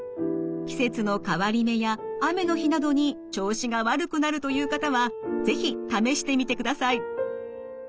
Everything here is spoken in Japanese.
季節の変わり目や雨の日などに調子が悪くなるという方は是非試してみてください。